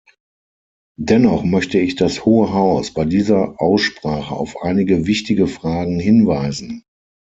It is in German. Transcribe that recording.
Dennoch möchte ich das Hohe Haus bei dieser Aussprache auf einige wichtige Fragen hinweisen.